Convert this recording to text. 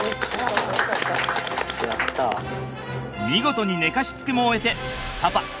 見事に寝かしつけも終えてパパ